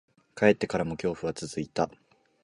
帰ってからも、恐怖は続いた。